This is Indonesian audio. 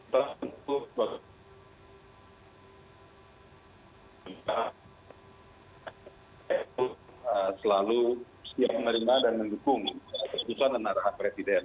tentu pak eko selalu siap menerima dan mendukung kesempatan dan arahan presiden